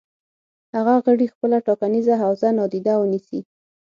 هغه غړي خپله ټاکنیزه حوزه نادیده ونیسي.